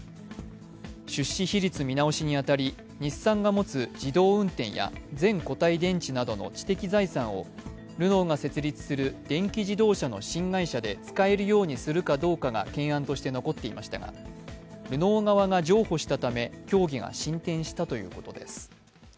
出資比率見直しに当たり日産が持つ自動運転や全固体電池などの知的財産をルノーが設立する電気自動車の新会社で使えるようにするかどうかが懸案として残っていましたがルノー側が譲歩したため協議が進展したということです。